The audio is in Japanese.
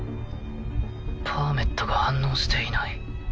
パーメットが反応していない。